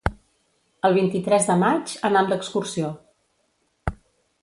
El vint-i-tres de maig anam d'excursió.